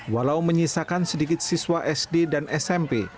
walau menyisakan sedikit siswa sd dan smp